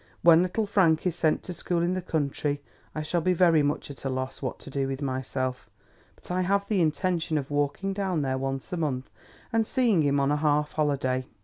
When Little Frank is sent to school in the country, I shall be very much at a loss what to do with myself, but I have the intention of walking down there once a month and seeing him on a half holiday.